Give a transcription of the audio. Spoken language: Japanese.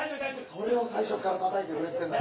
それを最初っからたたいてくれっつってんだ。